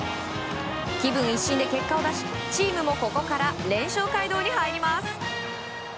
気分一新で結果を出しチームもここから連勝街道に入ります。